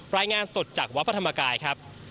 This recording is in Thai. รายงานสดจากวัดพระธรรมกายครับ